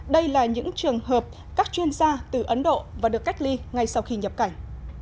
đây là những trường hợp các chuyên gia từ ấn độ và được cách ly ngay sau khi nhập cảnh